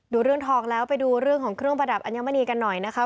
ดูเรื่องทองแล้วไปดูเรื่องของเครื่องประดับอัญมณีกันหน่อยนะคะ